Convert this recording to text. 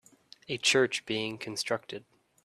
A church being constructed